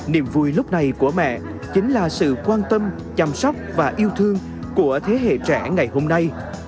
niềm vui lúc này của mẹ chính là sự quan tâm chăm sóc và yêu thương của thế hệ trẻ ngày hôm nay